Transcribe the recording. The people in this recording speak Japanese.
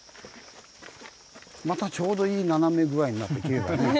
またちょうどいい斜め具合になってきれいだね。